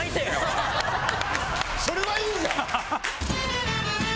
それはいいじゃん！